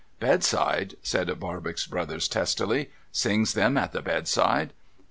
' Bedside ?' said Barbox Brothers testily. ' Sings them at tlie bedside ?